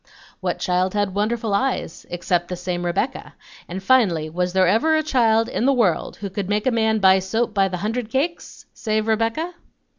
What child had wonderful eyes, except the same Rebecca? and finally, was there ever a child in the world who could make a man buy soap by the hundred cakes, save Rebecca?